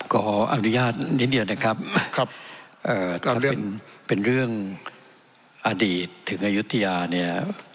ก็เอาอนุญาตนิดเดียวนะครับครับเอ่อเป็นเรื่องอดีตถึงอายุทธิาเนี่ย